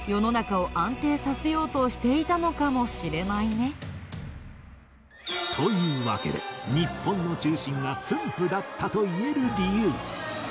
家康はというわけで日本の中心が駿府だったと言える理由